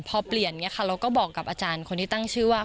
พอเปลี่ยนเราก็บอกกับอาจารย์คนที่ตั้งชื่อว่า